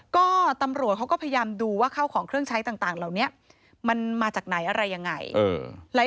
ก็ตำรวจเขาก็พยายามดูว่าเข้าของเครื่องใช้ต่างเหล่านี้มันมาจากไหนอะไรยังไง